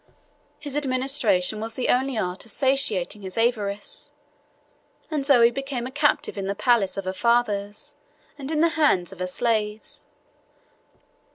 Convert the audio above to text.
His administration was only the art of satiating his avarice, and Zoe became a captive in the palace of her fathers, and in the hands of her slaves.